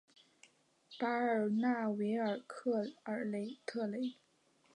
巴尔纳维尔卡尔特雷。